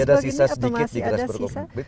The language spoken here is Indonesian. masih ada sisa sedikit di grass bergumpit